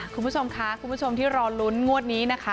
คุณผู้ชมค่ะคุณผู้ชมที่รอลุ้นงวดนี้นะคะ